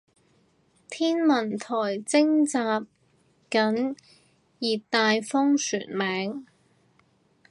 天文台徵集緊熱帶風旋名